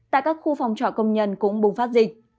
tại các khu phòng trọ công nhân cũng bùng phát dịch